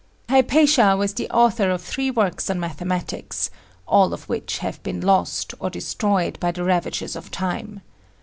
Hypatia was the author of three works on mathematics, all of which have been lost, or destroyed by the ravages of time.